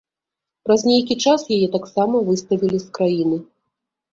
Праз нейкі час яе таксама выставілі з краіны.